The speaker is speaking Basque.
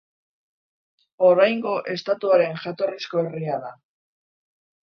Oraingo estatuaren jatorrizko herria da.